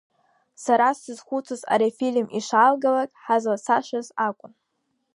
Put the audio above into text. Сара сзызхәыцуаз ари афильм ишаалгалак ҳазлацашаз акәын.